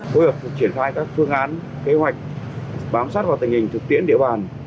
có hiệu phục triển khai các phương án kế hoạch bám sát vào tình hình thực tiễn địa bàn